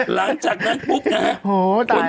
หลังจากนั้นปุ๊บนะฮะ